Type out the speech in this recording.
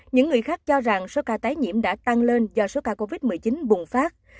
những người khác cho rằng số ca tái nhiễm đã tăng lên do số ca covid một mươi chín bùng phát